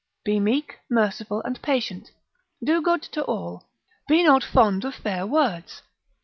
Be meek, merciful, and patient. Do good to all. Be not fond of fair words.